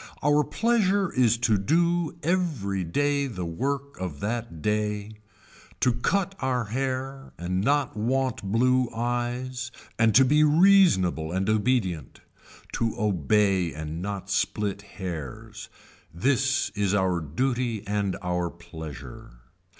Our pleasure is to do every day the work of that day, to cut our hair and not want blue eyes and to be reasonable and obedient. To obey and not split hairs. This is our duty and our pleasure.